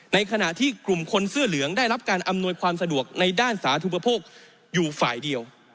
ในขณะที่กลุ่มคนเสื้อเหลืองได้รับการอำนวยความสะดวกในด้านสาธุปโภคอยู่ฝ่ายเดียว